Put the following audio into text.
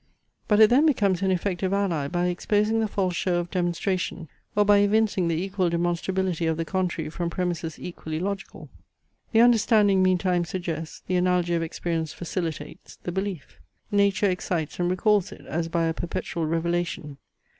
But it then becomes an effective ally by exposing the false show of demonstration, or by evincing the equal demonstrability of the contrary from premises equally logical . The understanding meantime suggests, the analogy of experience facilitates, the belief. Nature excites and recalls it, as by a perpetual revelation.